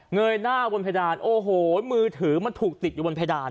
ยหน้าบนเพดานโอ้โหมือถือมันถูกติดอยู่บนเพดาน